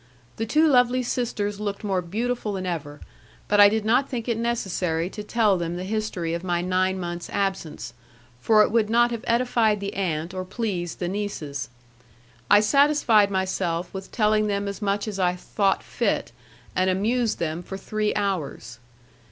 The two lovely sisters looked more beautiful than ever, but I did not think it necessary to tell them the history of my nine months absence, for it would not have edified the aunt or pleased the nieces. I satisfied myself with telling them as much as I thought fit, and amused them for three hours.